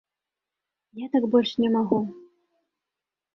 Я так больш не магу.